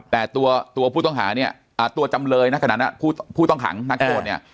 แต่ตัวผู้ต้องหาตัวจำเลยผู้ต้องหังนักโทษ